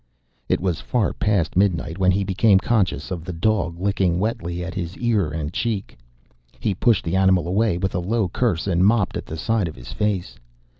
It was far past midnight when he became conscious of the dog licking wetly at his ear and cheek. He pushed the animal away with a low curse and mopped at the side of his face.